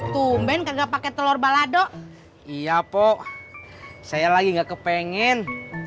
tumben kagak pakai telur balado iya po saya lagi gak kepengen